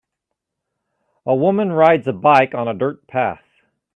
A woman rides a bike on a dirt path.